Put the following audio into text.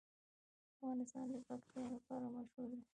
افغانستان د پکتیکا لپاره مشهور دی.